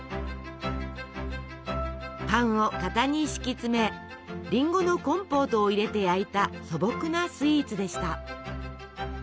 パンを型に敷き詰めりんごのコンポートを入れて焼いた素朴なスイーツでした。